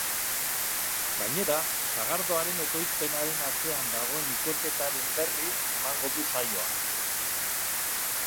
Gainera, sagardoaren ekoizpenaren atzean dagoen ikerketaren berri emango du saioak.